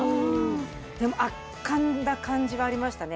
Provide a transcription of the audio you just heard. でも圧巻な感じがありましたね。